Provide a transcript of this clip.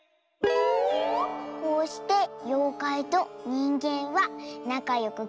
「こうしてようかいとにんげんはなかよくくらしましたとさ。